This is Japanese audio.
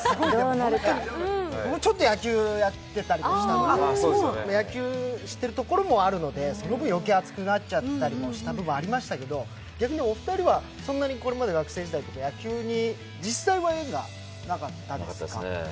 僕もちょっと野球やっていたりしたので野球知ってるところもあるのですごく余計熱くなっちゃったところもありましたけど逆にお二人は、そんなに今まで学生時代とか野球にそれほど縁がなかったですか？